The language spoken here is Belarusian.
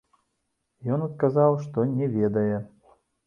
Ён адказаў, што не ведае.